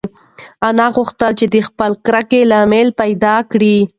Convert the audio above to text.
انا غوښتل چې د خپلې کرکې لامل پیدا کړي.